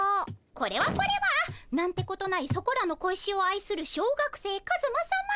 これはこれはなんてことないそこらの小石を愛する小学生カズマさま。